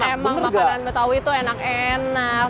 emang makanan betawi tuh enak enak